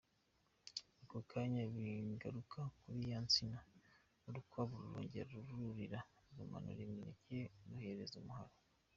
Ako kanya bigaruka kuri ya nsina, urukwavu rurongera rururira rumanura imineke ruhereza umuhari.